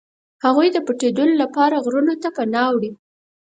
هغوی د پټېدلو لپاره غرونو ته پناه وړي.